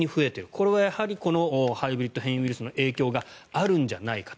これはやはりこのハイブリッド変異ウイルスの影響があるんじゃないかと。